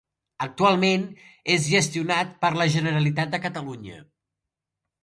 Actualment és gestionat per la Generalitat de Catalunya.